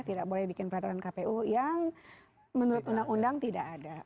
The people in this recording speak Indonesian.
tidak boleh bikin peraturan kpu yang menurut undang undang tidak ada